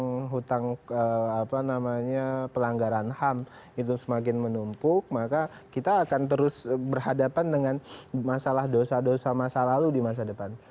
kalau hutang apa namanya pelanggaran ham itu semakin menumpuk maka kita akan terus berhadapan dengan masalah dosa dosa masa lalu di masa depan